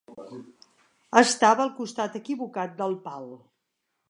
Estava al costat equivocat del pal.